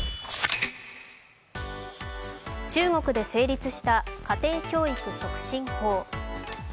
中国で成立した家庭教育促進法。